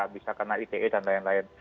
bisa kena ite dan lain lain